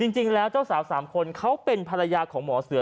จริงแล้วเจ้าสาว๓คนเขาเป็นภรรยาของหมอเสือ